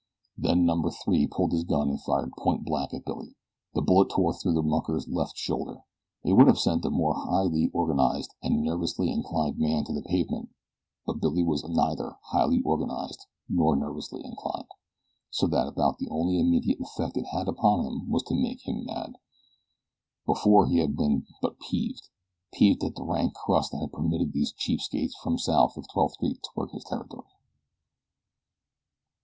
Then number three pulled his gun and fired point blank at Billy. The bullet tore through the mucker's left shoulder. It would have sent a more highly organized and nervously inclined man to the pavement; but Billy was neither highly organized nor nervously inclined, so that about the only immediate effect it had upon him was to make him mad before he had been but peeved peeved at the rank crust that had permitted these cheap skates from south of Twelfth Street to work his territory.